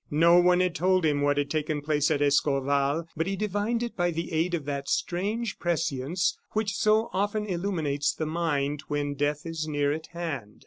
No one had told him what had taken place at Escorval, but he divined it by the aid of that strange prescience which so often illuminates the mind when death is near at hand.